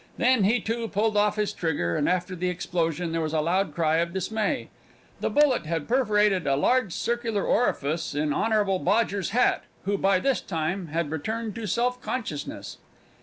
Then he, too, pulled off his trigger, and after the explosion there was a loud cry of dismay. The bullet had perforated a large circular orifice in Honble Bodger's hat, who, by this time, had returned to self consciousness!